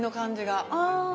あ。